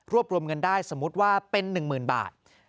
รวมเงินได้สมมุติว่าเป็น๑๐๐๐บาท